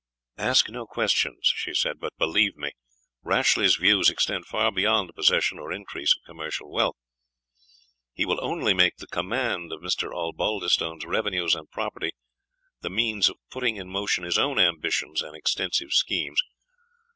"Ask no questions," she said; "but believe me, Rashleigh's views extend far beyond the possession or increase of commercial wealth: he will only make the command of Mr. Osbaldistone's revenues and property the means of putting in motion his own ambitious and extensive schemes.